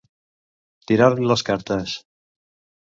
Tirar-li les cartes.